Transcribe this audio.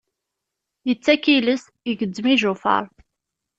Yettak iles, igezzem ijufaṛ.